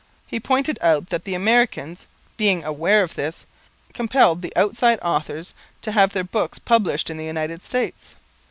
He pointed out that the Americans, being aware of this, compelled the outside authors to have their books published in the United States.